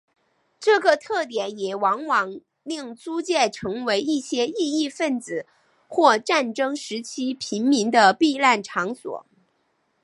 这个特点也往往令租界成为一些异议份子或战争时期平民的避难场所。